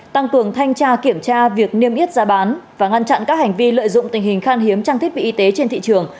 tăng cường thanh tra kiểm tra việc niêm yết giá bán và ngăn chặn các hành vi lợi dụng tình hình khan hiếm trang thiết bị y tế trên thị trường